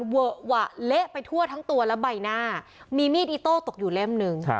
เวอะหวะเละไปทั่วทั้งตัวและใบหน้ามีมีดอิโต้ตกอยู่เล่มหนึ่ง